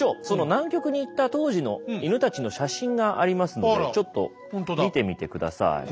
その南極に行った当時の犬たちの写真がありますのでちょっと見てみて下さい。